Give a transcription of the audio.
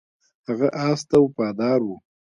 هغه اس ته وفادار و.